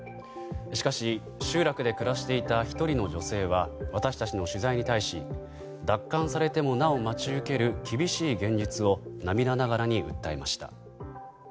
しかし集落で暮らしていた１人の女性は私たちの取材に対し奪還されてもなお待ち受ける厳しい現実を涙ながらに訴えました。